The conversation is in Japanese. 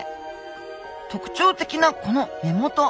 特徴的なこの目元！